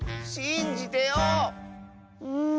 ん。